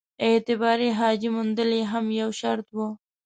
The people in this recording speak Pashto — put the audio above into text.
اعتباري حاجي موندل یې هم یو شرط وو.